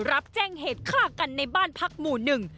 รับแจ้งเหตุฆ่ากันในบ้านพักหมู่หนึ่ง